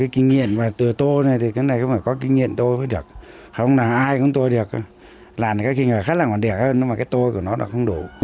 kinh nghiệm của tôi thì phải có kinh nghiệm tôi mới được không là ai cũng tôi được làm cái nghề khác còn đẹp hơn nhưng mà cái tôi của nó là không đủ